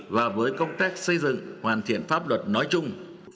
và với công tác xây dựng hoàn thiện pháp luật nói chung